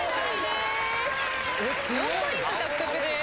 ４ポイント獲得です。